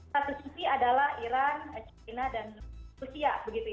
satu sisi adalah iran china dan rusia begitu ya